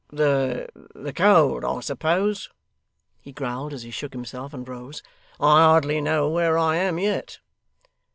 'The the cold, I suppose,' he growled, as he shook himself and rose. 'I hardly know where I am yet.